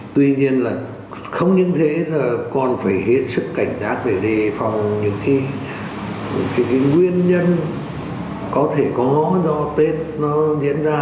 tuy nhiên là không những thế là còn phải hết sức cảnh giác để đề phòng những cái nguyên nhân có thể có do tết nó diễn ra